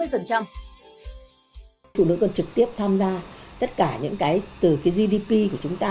phụ nữ còn trực tiếp tham gia tất cả những cái từ gdp của chúng ta